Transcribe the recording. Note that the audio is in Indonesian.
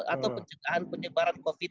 atau penjagaan penyebaran covid sembilan belas